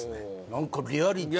何かリアリティ